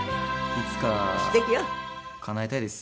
いつかかなえたいです